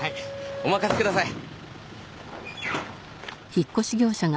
お任せください！